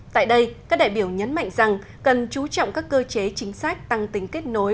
tại đây các đại biểu nhấn mạnh rằng cần chú trọng các cơ chế chính sách tăng tính kết nối